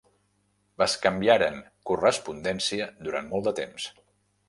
Bescanviaren correspondència durant molt de temps.